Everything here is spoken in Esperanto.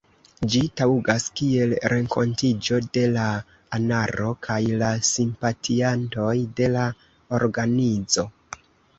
Ĝi taŭgas kiel renkontiĝo de la anaro kaj la simpatiantoj de la organizo.